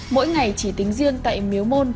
mỗi ngày chỉ tính riêng tại miếu môn